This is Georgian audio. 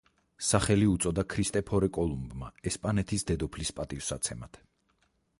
სახელი უწოდა ქრისტეფორე კოლუმბმა ესპანეთის დედოფლის პატივსაცემად.